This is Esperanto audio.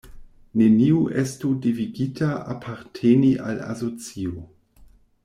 Neniu estu devigita aparteni al asocio.